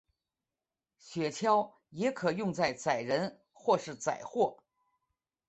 雪橇也可用在载人或是载货。